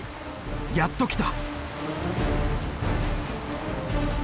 やっと来た。